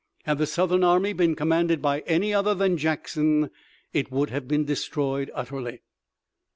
Had the Southern army been commanded by any other than Jackson it would have been destroyed utterly.